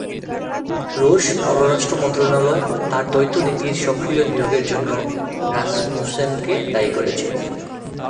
রুশ পররাষ্ট্র মন্ত্রণালয় তার দ্বৈত নীতির সক্রিয় নিয়োগের জন্য রাসমুসেনকে দায়ী করেছে।